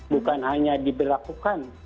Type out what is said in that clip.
bukan hanya diberlakukan